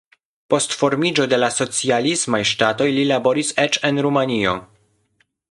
Post formiĝo de la socialismaj ŝtatoj li laboris eĉ en Rumanio.